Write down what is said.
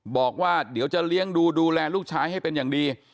บอกว่าเดี๋ยวจะเลี้ยงดูดูแลลูกชายให้เป็นอย่างดี